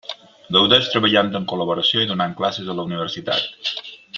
Gaudeix treballant en col·laboració, i donant classes a la universitat.